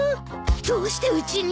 どうしてうちに？